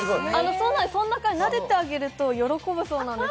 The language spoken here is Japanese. そう、なでてあげると喜ぶそうなんです。